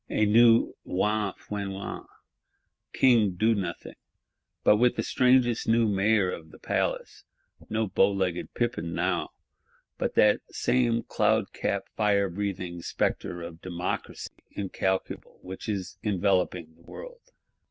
A new Roi Fainéant, King Donothing; but with the strangest new Mayor of the Palace: no bow legged Pepin now for Mayor, but that same cloud capt, fire breathing Spectre of DEMOCRACY; incalculable, which is enveloping the world!